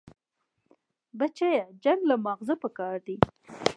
بچيه جنگ له مازغه پکار دي.